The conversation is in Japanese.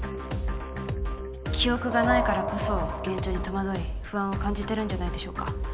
記憶がないからこそ現状に戸惑い不安を感じてるんじゃないでしょうか。